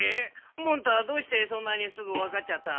モンタどうしてそんなにすぐわかっちゃったの？